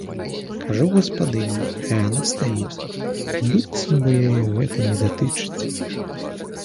Кажу гаспадыні, а яна стаіць, і быццам бы яе гэта не датычыць.